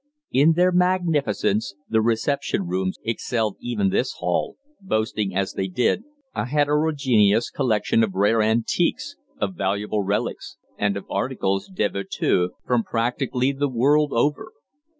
In their magnificence the reception rooms excelled even this hall, boasting, as they did, a heterogeneous collection of rare antiques, of valuable relics, and of articles de virtu from practically the world over.